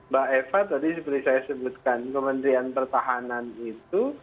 mbak eva tadi seperti saya sebutkan kementerian pertahanan itu